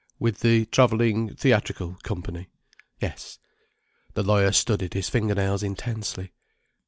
"With the travelling theatrical company?" "Yes." The lawyer studied his finger nails intensely.